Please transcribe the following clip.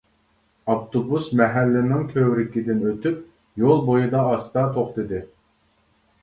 ئاپتوبۇس مەھەللىنىڭ كۆۋرۈكىدىن ئۆتۈپ، يول بويىدا ئاستا توختىدى.